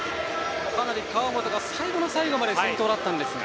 川本が最後の最後まで先頭だったんですが。